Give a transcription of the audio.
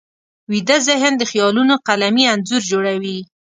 ویده ذهن د خیالونو قلمي انځور جوړوي